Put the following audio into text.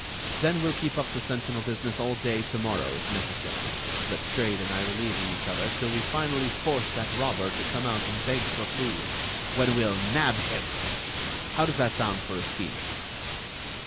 Then we'll keep up the sentinel business all day to morrow, if necessary, Letstrayed and I relieving each other, till we finally force that robber to come out and beg for food, when we'll nab him! How does that sound for a scheme?"